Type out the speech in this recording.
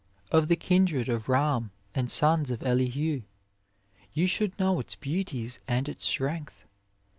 Of the kindred of Ram and sons of Elihu, you should know its beauties and its strength.